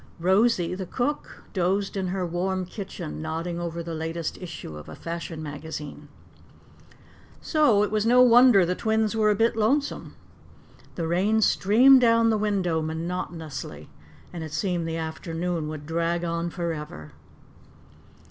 Rosie, the cook, dozed in her warm kitchen, nodding over the latest issue of a fashion magazine. So it was no wonder the twins were a bit lonesome. The rain streamed down the window monotonously and it seemed the afternoon would drag on forever.